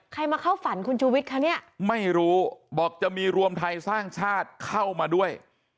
มาเข้าฝันคุณชูวิทย์คะเนี่ยไม่รู้บอกจะมีรวมไทยสร้างชาติเข้ามาด้วย